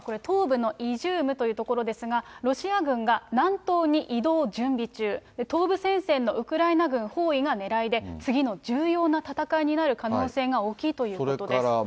これ、東部のイジュームという所ですが、ロシア軍が南東に移動準備中、東部戦線のウクライナ軍包囲がねらいで、次の重要な戦いになる可能性が大きいということです。